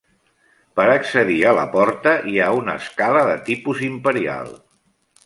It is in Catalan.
Per accedir a la porta hi ha una escala de tipus imperial.